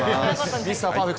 ミスターパーフェクト